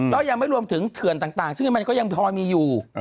ก็ยังไม่รวมถึงเขื่อนต่างซึ่งมันก็ยังพอมีอยู่